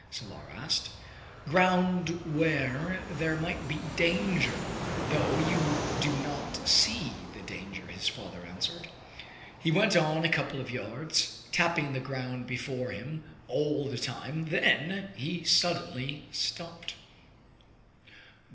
Salar asked. "Ground where there might be danger, though you do not see the danger," his father answered. He went on a couple of yards, tapping the ground before him all the time. Then he suddenly stopped.